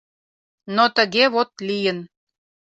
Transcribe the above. Но тыге вот лийын.